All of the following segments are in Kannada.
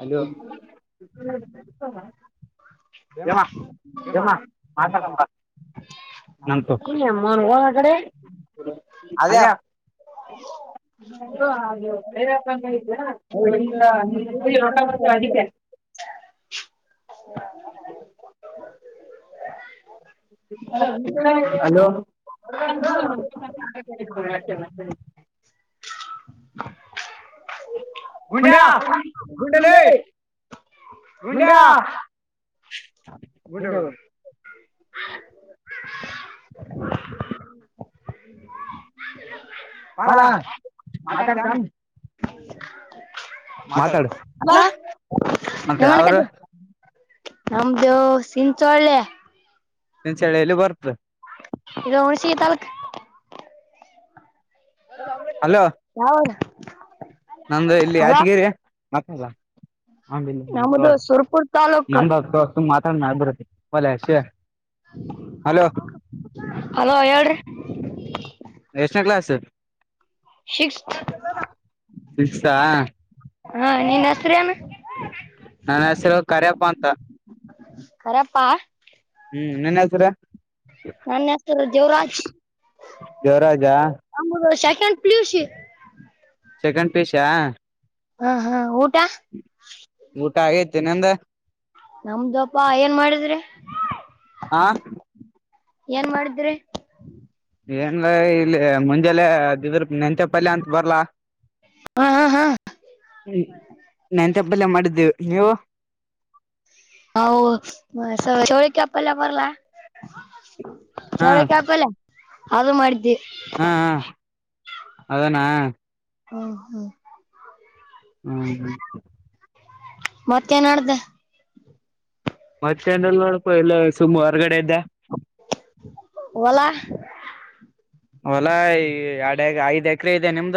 ಹಲ್ಲೋ. M ಏಮ M. [unintelligible] ನನ್ [unintelligible] ಕಡೆ. ಅದೇ [unintelligible] ಹೊಯ್ [unintelligible] ಹಲೋ ಹಾ. [unintelligible] [inaudible] ಗುಂಡ್ಯಾ ಗುಂಡಲೇ ಗುಂಡ್ಯ. ಗುಂಡೆ. [unintelligible] ಹಾ. ಬಾಲ ಬಲಾ ಮಾತಾಡ್ತಾನ ಮಾತಾಡ್ತೀಯಾ. ಮಾತಾಡು ಹಲ್ಲೋ ಮತ್ತೆ ಯಾವ್ರು ಏನ್ಮಾಡಕತಿ. ನಮ್ದ ಸಿಂಚೊಳ್ಳೆ. ಸಿಂಚೋಳ್ಳೆ ಎಲ್ಲಿ ಬರ್ತ್ ಇದು ಹುಣ್ಣಷಿ ತಾಲೂಕು. ಹಲೋ. ಹ. ನಂದು ಇಲ್ಲಿ ಯತಿಗಿರಿ ನಮ್ದು ನಮ್ದು Surpur taluk [unintelligible] hello. Hello [unintelligible] [inaudible] ಎಷ್ಟ್ನೇ class sixth ಸಿಕ್ತ್ಸ್ತಾ ಹಾ. ಹಾ ನೀನ್ ಹೆಸರೇನು. ನನ್ ಹೆಸರು ಕರೆಪ್ಪ ಅಂತ ಕರಪ್ಪಾ ಹ್ಮ್ ನಿನ್ ಹೆಸರು. ನನ್ ಹೆಸರು ದೇವರಾಜ್ ದೇವರಾಜ ನಮ್ದು ಶ. Second PUC. ಸೆಕೆಂಡ್ ಪಿಯುಸ್ಯ ಹಾ ಹಾ ಊಟ್. ಊಟ ಆಗೈತಿ ನಿಂದು. ನಮ್ದಪ್ಪಾ ಏನ್ ಮಾಡಿದ್ರಿ. ಆ ಏನ್ ಮಾಡಿದ್ರಿ. ಏನ್ ಲೇ ಇಲ್ಲಿ ಮುಂಜಾಲೆ ಇದಿದ್ರ ಮೆಂತ್ಯಪಲ್ಯ ಅಂತ ಬರ್ಲ್ಲ. ಹ ಹ ಹ ಹ್ಮ ಮೆಂತ್ಯಪಲ್ಯ ಮಾಡಿದ್ದೇವು ನೀವು. ನಾವು ಚೋಳಕೈ ಪಲ್ಯ ಬರ್ಲ. ಹಾ ಚೌಳಿಕಾಯಿ ಪಲ್ಯ ಅದು ಮಾಡಿದ್ದವಿ. ಹಾ ಹಾ ಅದನ್ನ. ಹ್ಮ್ ಹ್ಮ್. ಹ್ಮ ಹ್ಮ. ಮತ್ತೇನೂ ನಡ್ದ. ಮತ್ತೆನು ಇಲ್ಲ ನೋಡಪ ಇಲ್ಲೇ ಸುಮ್ಮ್ ಹೊರ್ಗಡೆ ಇದ್ಯಾ. ಹೊಲ. ಹೊಲಾ ಈ ಎರಡು ಐದ್ ಎಕರೆ ಇದೆ ನಿಮ್ದ.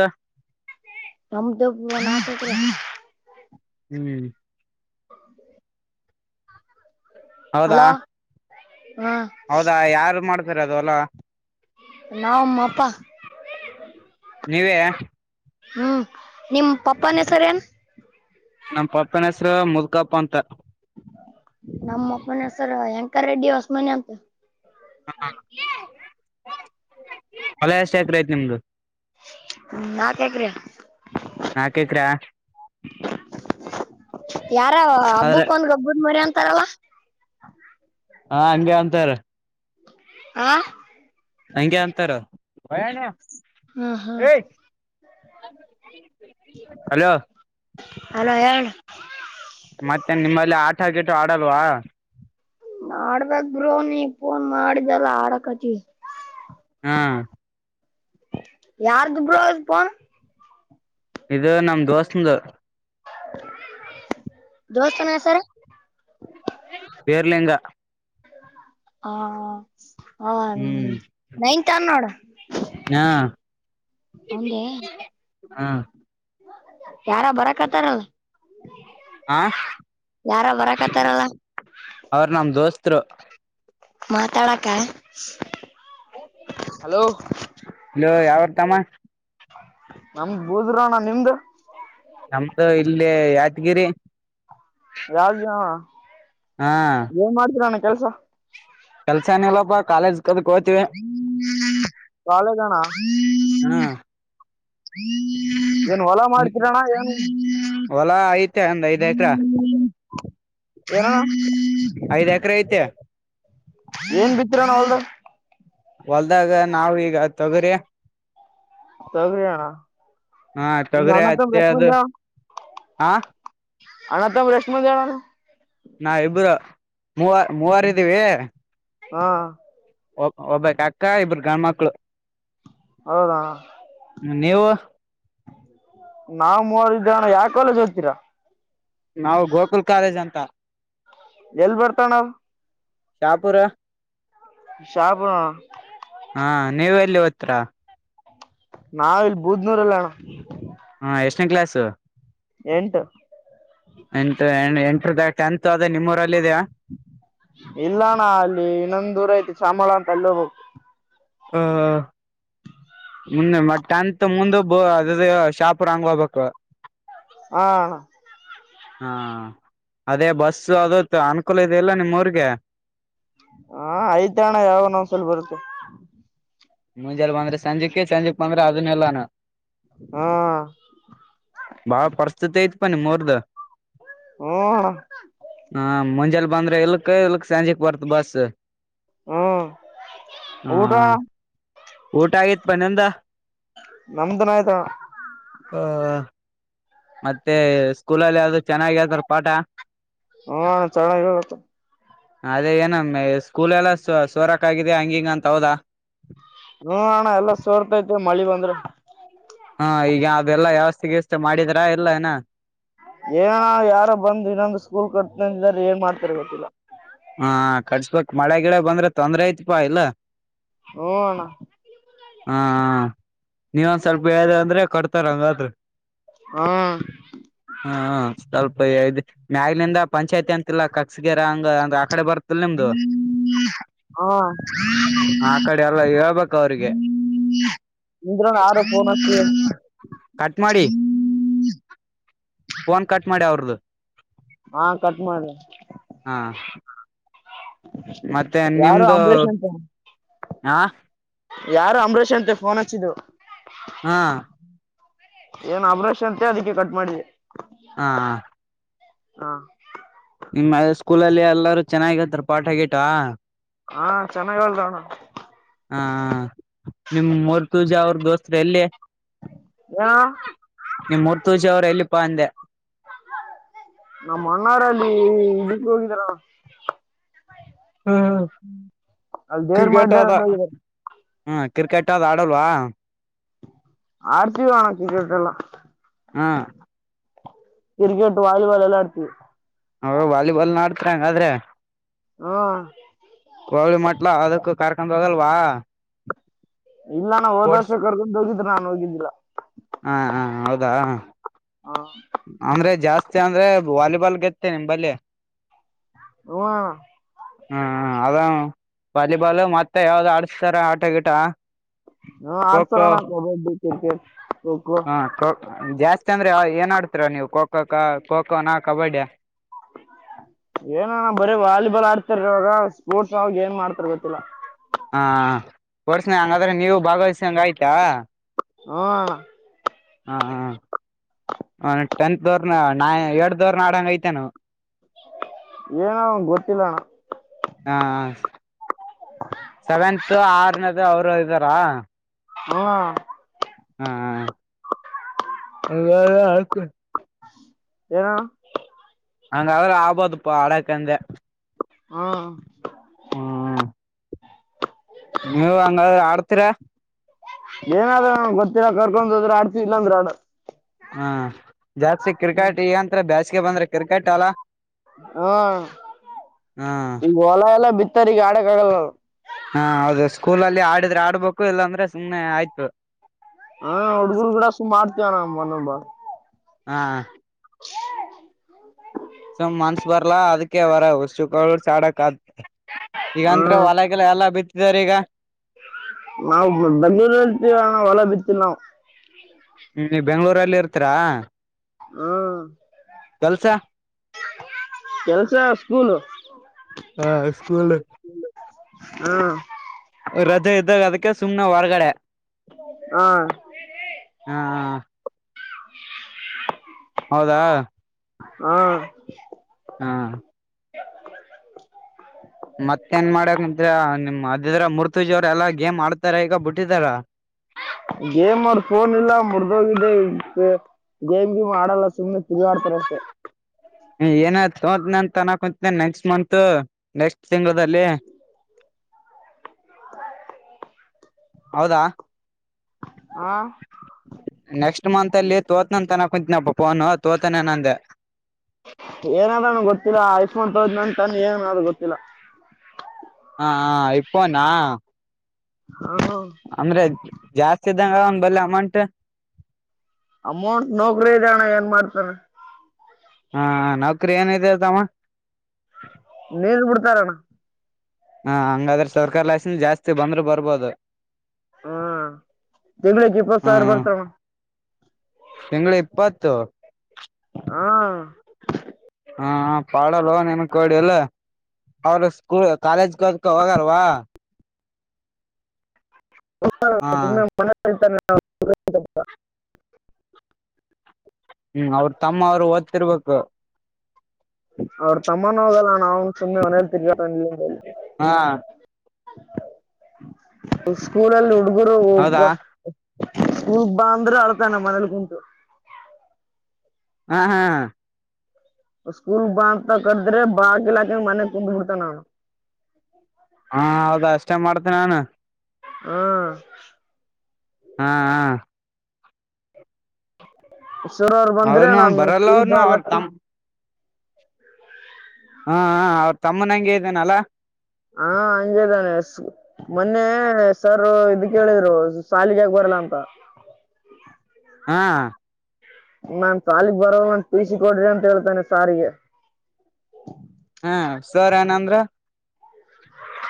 ನಮ್ದ ನಾಕ್ ಎಕ್ರೆ. ಹ್ಮ್. ಹೌದಾ. ಹಲೋ ಹಾ ಹೌದಾ ಯಾರು ಮಾಡ್ತಾರ ಅದು ಹೊಲ್ಲ. ನಾವು ನಮ್ಮಪ್ಪ. ನೀವೇ ಹ್ಮ್, ನಿಮ್ ಪಪ್ಪನ ಹೆಸರ ಏನ್?. ನಮ್ಮ ಪಪ್ಪನ ಹೆಸರು ಮುದ್ಕಪ್ಪ ಅಂತ. ನಮ್ಮ ಅಪ್ಪನ ಹೆಸರ ಹೆಂಕ ರೆಡ್ಡಿ ಹೊಸಮನಿ ಅಂತ. ಹಾ ಹೊಲ ಎಷ್ಟು ಎಕರೆ ಐತಿ ನಿಮ್ದು.? ನಾಲ್ಕ ಎಕರೆ. ನಾಕ್ ಎಕರೆ ಯಾರ ಆದ್ರ ಹಬ್ಬಕ್ಕ ಒಂದ ಗಬ್ಬಿದ್ದ ಮರಿ ಅಂತಾರಲಾ? ಹಾ ಹಂಗೆ ಅಂತಾರ. ಹಾ. ಹಂಗೆ ಅಂತಾರ. ಹ್ಮ್ ಹ್ಮ್ ಹಲೋ!. ಹಲೋ ಹೇಳ್ಣ?. ಮತ್ತೆನು ನಿಮ್ಮಲ್ಲಿ ಆಟ ಗಿಟ ಆಡಲ್ವಾ?. ಆಡ್ಬೇಕ ಬ್ರೋ ನೀ ಫೋನ್ ಮಾಡಿದಲ್ಲ ಆಡಕತ್ತಿವಿ. ಹಾ. ಯಾರದು ಬ್ರೋ ಅದು ಫೋನ್? ಇದು ನಮ್ ದೋಸ್ತಂದು. ದೋಸ್ತನ ಹೆಸರು? ಭೀರಲಿಂಗ. ಹ ಹ ಹ್ಮ್ ನೈನ್ ಥ ಅನ ನೋಡ್. ಹಾ. ಯಾರ ಬರಕತ್ತಾರಲ್, ಹಾ ಯಾರ ಬರಕತ್ತಾರಲ? ಅವರು ನಮ್ಮ ದೋಸ್ತರು. ಮಾತಾಡಾಕ? ಹಲೋ, ಯಾವೂರ ತಮ್ಮ? ನಮ್ದ ಬೂದರು ಅಣ ನಿಮ್ದ? ನಮ್ದು ಇಲ್ಲಿ ಯಾದಗಿರಿ. ಹಾ ಏನ್ ಮಾಡ್ತೀರಿ ಅಣ್ಣ ಕೆಲ್ಸ? ಕೆಲಸ ಏನಿಲ್ಲಪ್ಪ ಕಾಲೇಜ್. ಕದಕ್ ಹೋತಿವಿ ಕಾಲೇಜ್ ಅಣ್ಣ? ಹಾ ಹ್ಮ್. [unintelligible] ಏನ್ ಹೊಲ ಮಾಡ್ತೀರ ಅಣ್ಣ? ಏನು? ಹೊಲ ಐತೆ ಒಂದ್ ಐದ್ ಎಕ್ರ [unintelligible] ಏನು ಅಣ್ಣ? ಐದ್ ಎಕರೆ ಐತೆ ಏನ್ ಬಿತ್ತಿರ ಅಣ್ಣ ಹೊಲದಾಗ? ಹೊಲ್ದಾಗ ನಾವ ಈಗ ತೊಗರಿ. ತೊಗರಿ ಅಣ್ಣ ಹಾ ನಿಮ್ ತೊಗರಿ, ಅಣ್ಣ ತಮ್ಮ ಹತ್ತಿ ಎಷ್ಟ್ ಅದು. ಮಂದಿ ಅಣ್ಣ ಹಾ. ಅಣ್ಣ ತಮ್ಮರು ಎಷ್ಟು ಮಂದಿ ಅಣ್ಣ ನೀವು? ನಾವ ಇಬ್ಬರು, ಮೂವರು ಇದೀವಿ. ಹಾ. ಒಬ್ಬಕಿ ಅಕ್ಕ, ಇಬ್ಬರು ಗಂಡ ಮಕ್ಕಳು. ಹೌದಾ ಅಣ್ಣ, ನಾವ್ ಮೂವರ ಇದೀವಿ. ಯಾವ ಕಾಲೇಜ್ ಹೋಗ್ತೀರಾ? ನಾವು ಗೋಕುಲ್ ಕಾಲೇಜ್ ಅಂತ. ಎಲ್ಲಿ ಬರ್ತದ ಅಣ್ಣ? ಶಾಪುರ. ಶಾಪುರ ಅಣ್ಣ? ಹಾ [unintelligible] ನಾವು ಇಲ್ಲಿ ಬೂದ್ನೂರಲ್ಲಿ ಅಣ್ಣ. ಎಷ್ಟೇನಾ ಕ್ಲಾಸ್? ಎಂಟು ಎಂಟರಿಂದ ಟೆಂಥ್ ಓದಿದೆ ನಿಮ್ಮೂರಲ್ಲಿ. ಇದೆಯಾ ಇಲ್ಲ ಅಣ್ಣ ಅಲ್ಲಿ ಇನ್ನೊಂದ್ ದೂರ ಐತಿ ಚಾಮನಾಳ ಅಂತ ಅಲ್ಲಿ ಹೋಗ್ಬೇಕು. ಹ್ಮ ಹ ಮುಂದೆ ಮ ಟೆಂತ್ ಮುಂದೆ ಅದ ಶಾಪರ್ ಹಂಗ್ ಹಬೇಕು ಹ್ಮ ಹಾ ಅದೇ ಬಸ್ಸ ಅದತ್ತು ಅನುಕೂಲ ಇದೆಯಲ್ಲ ನಿಮ್ಮ ಊರಿಗೆ ಹಾ ಐದಣ ಯಾವ ನಂದ್ಸಲ ಬರುತ್ತೆ ಮುಂಜೆ ಬಂದ್ರೆ ಸಂಜೆಕೆ ಸಂಜೆಕ್ ಬಂದ್ರೆ ಅದನ್ನ ಇಲ್ಲಾನ ಹಾ ಭಾವ ಪಸ್ಥತಿ ಆಐಿತ ಪನೆ ಮರ್ದ ಹ್ಞೂ ಅಣ್ಣ ಹ ಮಂಜಲ್ ಬಂದ್ರೆ ಇಲ್ಕ್ ಇಲ್ಕ್ ಸಂಜೆಕ್ ಬರ್ತ್ ಬಸ್ ಹ್ಮ್ ಹ ಊಟಾ ಊಟ ಆಗೈತಿ ಪ ನಿಂದು ನಮ್ದನ ಆಯ್ತಣ್ಣ ಹ ಮತ್ತೆ ಸ್ಕೂಲಲ್ಲಿ ಯಾವ್ದು ಚೆನ್ನಾಗಿರ್ತಾರ ಪಾಠ ಹ್ಮ ಚಣ ಇರತ್ತು ಅದೇ ಏನಮ್ಮ ಸ್ಕೂಲ್ಲಸ ಸೋರಕ್ ಆಗಿದ ಹಂಗಿಂಗ ಅಂತ ಹೌದಾ ೆ ಮಳಿ ಬಂದ್ರೆ ಹಾ ಈಗ ಅದೆಲ್ಲಾ ವ್ಯವಸ್ತಿಗಷ್ಟ ಮಾಡಿದ್ರ ಎಲ್ಲ ಏನ ಏನ ಯಾರ ಬಂದುಇನ್ನೊಂದು ಸ್ಕೂಲ್ ಕಟ್ತಾರ ಏನ್ ಮಾಡ್ತಾರೆ ಗೊತ್ತಿಲ್ಲ ಹ ಕಟ್ಸ್ಬೇಕಕ್ ಮಳೆ ಗಿಡ ಬಂದ್ರೆ ತೊಂದ್ರೆ ಐತ್ಪಾ ಇಲ್ಲ ಹ್ಞೂ ಅಣ್ಣ ಹಾ ನೀವೊಂದ ಸ್ವಲ್ಪ ಹೇಳಿದೆ ಅಂದ್ರೆ ಕಡ್ತಾರ ಹಂಗಾದರು ಹಾ ಹಾ ಸ್ವಲ್ಪ ಮ್ಯಾಗಲಿಂದ ಪಂಚಾಯಿತಿ ಅಂತಿಲ್ಲ ಕಕ್ಸ್ಗಿರ ಹಂಗ ಅಂದ ಆ ಕಡೆ ಬರ್ತ ಹ ಆ ಕಡೆ ಎಲ್ಲ ಹೇಳ್ಬೇಕ ಅವ್ರಿಗೆ ್ಮ ಇಂದ್ರ ಯರೋ ಪಣ [unintelligible] ಕಟ್ ಮಾಡಿ ಫೋನ್ ಕಟ್ ಮಾಡಿ ಅವ್ರದು ಹಾ ಕಟ್ ಮಾಡ್ರಿ ಹಾ ಮತ್ತೆ ಯಾರು ನಿಮ್ದು ಅಂಬ್ಲಾಷ್ ಅಂತೆ ಹ ಯಾರು ಅಂಬರೀಷ್ ಅಂತೆ ಫೋನ್ ಹಚ್ಚಿದು ಹಾ ಏನ್ ಆಪ್ರೇಷನ್ ಅಂತ ಅದಕ್ಕೆ ಕಟ್ ಮಾಡಿದೆ ಹಾ ಹ ಹಾ ನಿಮ್ಮ್ ಸ್ಕೂಲಲ್ಲಿ ಎಲ್ಲಾರೂ ಚೆನ್ನಾಗಿತ್ತರ್ ಪಾಠ ಆಗಿಟಾ ಹಾ ಚೆನ್ನಾಗ ಅಲ್ದ ಅಣ್ಣ ಹ ನಿಮ್ ಮೂರ್ತೂಜ ಅವ್ರ ದೋಸ್ತ್ರು ಎಲ್ಲಿ ಏನ ನಿಮರ್ತಜಿ ಅವರು ಎಲ್ಲಿಪ್ಪಾ ಅಂದೆ ನಮ್ಮ ಮಣ್ಣಾರಲ್ಲಿ ಇದಕ್ ಹೋಗಿದರ ಣಾ ಹ್ಮ ಅಲ್ಲಿ ದೇವ್ರ ಕ್ರಿಕೆಟ್ ಮಾಡಿದಾರ ಅದ ಅಲ್ಲಿ ಹೋಗಿದಾರೆ ಹ್ಮ ಕ್ರಿಕೆಟ್ ಅ ಆಡಲ್ವಾ ಆರ್ತಿ ಹಣ ಕ್ರಿಕೆಟೆಲ್ಲ ಹಾ ಕ್ರಿಕೆಟ್ ವಾಲಿಬಾಲ್ ಎಲ್ಲ ಆಡ್ತೀವಿ ಹ ವಾಲಿಬಾಲ್ ನಡ್ತಿ ಹಂಗಾದ್ರೆ ಹ್ಮಾ ಹೋಗಳಿ ಮಟ್ಲ ಅದಕ್ಕ ಕಾರ್ಕೊಂಡ ಹಗಲ್ವಾ ಇಲ್ಲ ನಾ ಹೋದರ್ಷ ಕರ್ಗೊಂಡ್ ಹೋಗಿದ್ರೆ ನಾನನ್ ಹೋಗಿದ್ದಿಲ್ಲಾ ಹಾ ಹ ಹೌದಾ ಹಾ ಅಂದ್ರೆ ಜಾಸ್ತಿ ಅಂದ್ರೆ ವಾಲಿಬಾಲ್ ಗೆತ್ತೇ ನಿಮಂಬಲ್ಲಿ ಹ್ಞೂ ಅಣ್ಣ ಹ್ಮ ಅದ ವಾಲಿಬಾಲ್ ಮತ್ತೆ ಯಾವ್ದ ಆಡ್ ಸರ ಆಟ ಗಿಟ ಹ ಖೋ ಅಡ್ಸತರ ಖೋ ರಣ ಕಬಡ್ಡಿ ಕೋ ಕೋ ಹಾ ಜಾಸ್ತಿ ಅ ಅಂದ್ರೆ ಏನ್ ಆಡ್ತರಾ ನೀವು ಖೋ ಕ ಖೋಖೋನಾ ಕಬಡ್ಡಿಯ ಏನಣ ಬರೀ ವಾಲಿಬಾಲ್ ಆಡ್ತಾರ ಇವಾಗ ಸ್ಪೋರ್ಟ್ಸ್ ಅವಾಗ ಏನ್ ಮಾಡ್ತರ್ ಗೊತ್ತಿಲ್ಲ ಹಾ ಪೋರ್ಸನೆ ಹಂಗಾದ್ರೆ ನೀವು ಭಾಗವಹಿಸಂಗ ಆಯ್ತಾ ಹಾ ಹ ಹಾ ಹ ಟೆಂತ್ ದವರ್ನ ನ ಎಟ್ ರ್ದವರ್ನ ಆಡಂಗ ಐತೆ ನವು ಏನ ಅವನ್ ಗೊತ್ತಿಲ್ಲ ನ ಸವೆಂತ್ ಆರ್ನದು ಅವರು ಅದ್ದಾರ ಹಾ [unintelligible] ಏನ ಣಾ ಹಂಗಾದ್ರ ಆಗ್ಬೋದುಪ್ಪ ಆಡಕಂದ ಹ್ ನೀವು ಹಂಗ ಆಡ್ತೀರಾ ಏನಾದ್ರ ಗೊತ್ತಿಲ್ಲ ಕರ್ಕೊಂಡ್ ಹೋದ್ರೆ ಆಡ್ತಿ ಇಲ್ಲ ಅಂದ್ರ ಆ ಹ್ಮ ಜಾಸ್ತಿ ಕ್ರಿಕೆಟ್ ಇಗಂತ ಬ್ಯಾಚ್ಗೆ ಬಂದ್ರೆ ಕ್ರಿಕೆಟ್ ಅಲ್ಲ ಹಾ ಹಾ ನಿಮ್ ಹೊಲ ಎಲ್ಲ ಬಿತ್ತಾರಗ ಆಡಕ್ ಆಗಲ್ಲಲ್ ಹಾ ಹೌದು ಸ್ಕೂಲಲ್ಲಿ ಆಡಿದ್ರೆ ಆಡ್ಬೇಕು ಇಲ್ಲಾಂದ್ರೆ ಸುಮ್ನೆ ಆಯ್ತು ಹಾ ಹುಡ್ಗರು ಗುಡ ಸುಮ್ ಮಾಡ್ತವಾನ ಮನೊಬ [inaudible] ಹಾ ಸುಮ್ ಮನ್ಸ್ ಬರ್ಲಾ ಅದಕ್ಕೆ ಅವರ ಹಸುಕ ಚಾಡಕ್ ಆ ಈಗಂತ್ರಾ ಹ್ಮ್ ಹೊಲಗೆಲ್ಲ ಎಲ್ಲ ಬಿತ್ತಿದಾರ ಈಗ ನಾವು ಬೆಂಗ್ಗಳೂರ್ಲ್ತಣ ಹೊಲ ಬಿತ್ತ ನಾವು ಹ್ಮ ಬೆಂಗ್ಗಳೂರಲ್ಲಿ ಇರ್ತೀರಾ ಹ್ಮಾ ಕೆಲಸ ಕೆನಸ ಸ್ಕನ್ ಹ ಸ್ಕೂಲ್ ಹ ಸುಮನ ಹೊರಗಡೆ ಹಾ ಹ ಹೌದಾ ಹ್ಮ ಹಾ ಮತ್ತೇನ್ ಮಾಡಕ್ಂ ನಿಮ್ ಅದದ್ರ ಮುರ್ತುಜಿ ಅವ್ರ ಎಲ್ಲಾ ಗೇಮ್ ಆಡ್ತಾರ ಈಗ ಬಿಟ್ಟಿದಾರ [inaudible] ಗೇಮ್ ಅವ್ರ ಫೋನ್ ಇಲ್ಲ ಮುರ್್ದೋಗಿದ್ದ ಗೇಮ್ಗೆ ಮಾಡಲ್ಲ ಸುಮ್ಮ್ನೆ ಇ ಆಡ್ತಾರೆ ಅಷ್ಟೇ ಏನ ತೋದನ ಅಂತ ಅನ್ನಕಂತಿ ನೆಕ್ಸ್ಟ್ ಮತ್ ನೆಕ್ಸ್ಟ್ ತಿಂಲ್ಲಿ [inaudible] ಹ ಹೌದಾ ಹಾ ನೆಕ್ಸ್ಟ್ ಮಂತ್ ಅಲ್ಲಿ ಹೋತ್ನಂತನ ಕುನನ್ ಹತ್ ತೋತನೆ ನಂದೆ ಏನಾದ್ರನುೂ ಗೊತ್ತಿಲ್ಲ ಐಫೋನ್ ತೋದ ನಂತಾನ ಏನನಾದ್ರೂ ಗೊತ್ತಿಲ್ಲ ಹ ಹ ಇಪ್ಪ ನಾ ಹ್ಮ್ ಅಂದ್ರೆ ಜಾಸ್ತಿ ಇದಂಗ ಒಂದ ಬಲ್ಲ ಅಮೌಂಟ್ ಅಮೌಂಟ್ ನೋಕ್ರ ಇದದೆ ಅಣ್ಣ ಏನ್ ಮಾಡ್ತಾರೆ ಹಾ ನೌಕರಿ ಏನಿದೆ ಅದಮ್ಮ ನೀಲ್ ಬಿಡ್ತಾರಣ್ಣ ಹಾ ಹಂಗಾದ್ರೆ ಸರ್ಕಾರಿ ಲೈಸೆನ್ ಜಾಸ್ತಿ ಬಂದ್ರರು ಬರ್ಬೋದು ಹಾ ತಿೆಗ್ಳಿಗೆ ಪ್ರೋತ್ಸಾರ ಬರ್ತಾವ ತಿಂ ಇಪ್ಪತ್ತು ಹಾ ಹಾ ಪಾಡಲ್ಲ ನಿಮ ಕೊಡಿ ಎಲ್ಲ ಅವರು ಸ್ಕೂಲ್ ಕಾಲೇಜ್ಗೆ ಹೋದಕ ಹೋಗಲ್ವಾ ತು ಹಾ ಮನರಿತ ಹ್ಮ್ ಅವ್ರ ತಮ್ಮ ಅವ್ರು ಓದ್ತಿರ್ಬೇಕು ಸಮ್ಮಾನಾಗಲ್ಲಣ ಅವನು ಸುಮ್ಮಿ ಅವನೆಯೆಯಲ್ಲಿ ತಿಗಲ್ಲ ಹಾ ಸ್ಕೂಲಲ್ಲಿ ಹುಡ್ಗರು ಹೌದಾ ಹೋಗ ಸ್ಕೂಲ್ ಬಾಂದ್ರೆ ಅಳ್ತಾನ ಮನೇಲಿ ಕುಂಟು ಹ ಹಾ ಸ್ಕೂಲ್ ಬಾಂದಂತ ಕದ್ರೆ ಬಾಗ ಇಲಾಕಂಗ ಮನೆಗ್ ಕುಂದ್ಬಿಡ್ತ ನು ಹಾ ಹೌದ ಅಷ್ಟೇ ಮಾಡ್ತ ನಾನು ಹ್ಮ ಹಾ ಹಾ ಹೆಸೂರವ್ರು ಬಂದ್ರೆ ಅವನು ನಾನು ಬರಲ್ಲ ಸ್ೂಲ್ ಅವನು ಅವ್ರ ಬಾಲಕಿ ತಮ್ಮ ಹಾ ಅವ್ರ ತಮ್ಮನಂಗೆ ಇದ್ದೇನಲ್ಲಾ ಹಾ ಅಂಜದಾನೆ ಮೊನ್ನೆ ಸರ್ ಇದಕ್ಕೆೇಳಿದ್ರು ಶಾಲಿಗೆಕ ಬರಲ್ಲ ಅಂತ ಹಾ ನಾನ್ ಸಾಲಕ್ ಬರೋ ನಂದ ತಸ ಕೊಡ್ರಿ ಅಂತ ಹೇಳ್ತೇನೆ ಸಾರಿಗೆ ಹ್ಮ ಸರ್ ಏನಂದ್ರ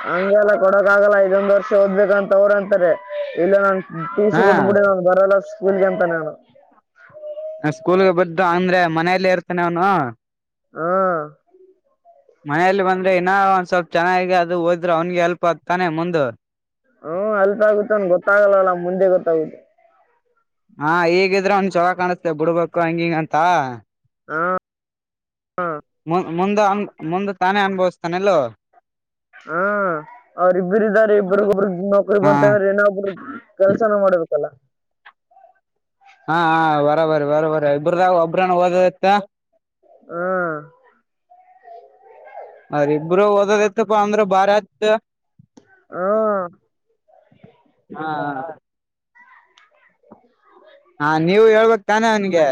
ಹಂಗೆ ಅಲ್ಲ ಕೊಡಕ್ ಆಗಲ್ಲ ಐದೊಂದ್ ವರ್ಷ ಓದ್ಬೇಕಂತ ಅವ್ರ ಅಂತಾರೆ ಇಲ್ಲ ನನ್ ಟಿಸ ಹಾ ಕೊಟ್ಟುಬಡ ಬರಲ್ಲ ಸ್ಕೂಲ್ ಸ್ಕೂಲ್ಗೆ ಬು ಅಂದ್ರೆ ಮನೆಯಲ್ಲೇ ಇರ್ತಾನೆ ಅವನು ಹಾ ಮನೆಯಲ್ಲಿ ಬಂದ್ರೆ ಇನ್ನ ಒಂದ ಸ್ವಲ್ಪ್ ಚೆನ್ನಾಗಿ ಅದು ಹೋದ್ರೆ ಅವ್ನ್ಿಗೆ ಎಲ್ಪ್ ಆಗ್ತಾನೆ ಮುಂದ ಹ್ಮ ಅಲ್ಪ ಆಗುತ್ತೆನ್ ಗೊತ್ತಾಗಲ್ಲವಲ್ಲ ಮುಂದೆ ಗೊತ್ತಾಗುತ್ತೆ. ಹಾ ಈಗಿದ್ರೆ ಒಂದ ಚವ ಕಾಣುತ್ತೆ ಬಿಡ್ಬೇಕು ಹಂಗಿಂಗಂತ. ಹಾ ಮುಂದೆ ಮುಂದೆ ತಾನೇ ಅನುಭವಿಸ್ತಾನಲೋ ಹಾ ಅವ್ರ ಇಬ್ರಿದ್ದಾರೆ ಇಬ್ರಗ ಒಬ್ರಗ್ ನೌಕರಿ ಹಾ ಬಂತ ಅಂದ್ರೆ ಏನ ಒಬ್ರ ಕೆಲ್ಸನ ಮಾಡ್ಬೇಕು. [unintelligible] ಹಾ ಬರಬರಿ ಬರಬರಿ ಇಬ್ರದಾಗ ಒಬ್ರನ ಓದತ್ತ. ಹಾ ಇಬ್ರು ಓದೋದಐತಪ್ಪ ಅಂದ್ರೆ ಬಾರತ್ ಹಾ ಹಾ ಹಾ ನೀವು ಹೇಳ್ಬಕ್ ತಾನೇ ಅವ್ನಿಗೆ.